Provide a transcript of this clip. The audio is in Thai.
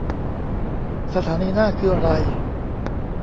สถานีหน้าคืออะไร